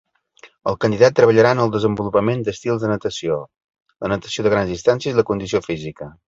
El candidat treballarà en el desenvolupament d'estils de natació, la natació de grans distàncies i la condició física.